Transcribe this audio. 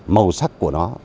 màu sắc của nó